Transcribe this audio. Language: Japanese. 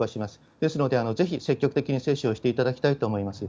ですので、ぜひ積極的に接種をしていただきたいと思います。